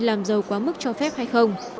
làm dầu quá mức cho phép hay không